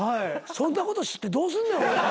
そんなこと知ってどうすんねん俺ら。